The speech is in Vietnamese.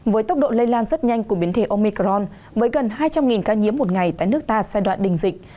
với tốc độ lây lan rất nhanh của biến thể omicron với gần hai trăm linh ca nhiễm một ngày tại nước ta giai đoạn đình dịch